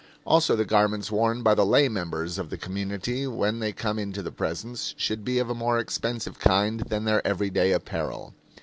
Also the garments worn by the lay members of the community when they come into the presence, should be of a more expensive kind than their everyday apparel.